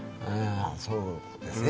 そうですね